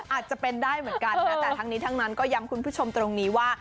อาจจะเป็นได้เหมือนกันนะแต่ทั้งนี้ทั้งนั้นก็ย้ำคุณผู้ชมตรงนี้ว่า